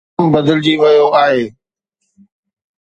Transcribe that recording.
نظام بدلجي ويو آهي.